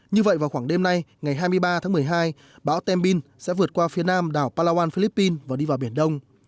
như vậy vào khoảng đêm nay ngày hai mươi ba tháng một mươi hai bão tem bin sẽ vượt qua phía nam đảo palawan philippines và đi vào biển đông